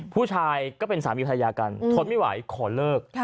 ผู้ชายก็เป็นสามีภรรยากันทนไม่ไหวขอเลิก